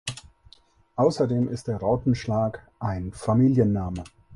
Außerdem ist der Rautenschlag ein Familienname.